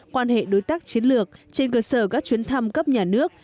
quan hệ đối tác chiến lược trên cơ sở các chuyến thăm cấp nhà nước